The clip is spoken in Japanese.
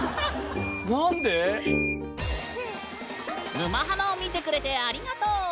「沼ハマ」を見てくれてありがとう！